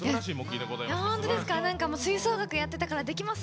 吹奏楽やってたからできます！